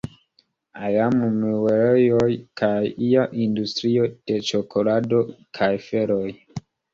Iam muelejoj kaj ia industrio de ĉokolado kaj feloj.